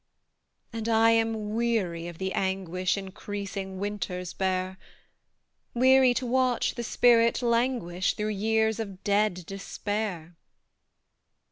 And I am weary of the anguish Increasing winters bear; Weary to watch the spirit languish Through years of dead despair.